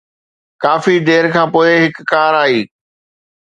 ڪافي دير کان پوءِ هڪ ڪار آئي.